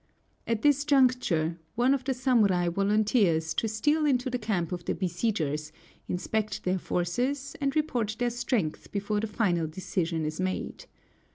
At this juncture, one of the samurai volunteers to steal into the camp of the besiegers, inspect their forces, and report their strength before the final decision is made.